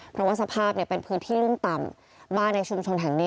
เพราะว่าสภาพเนี่ยเป็นพื้นที่รุ่มต่ำบ้านในชุมชนแห่งนี้